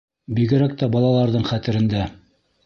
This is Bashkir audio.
Бигерәк тә балаларҙың хәтерендә.